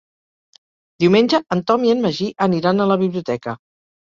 Diumenge en Tom i en Magí aniran a la biblioteca.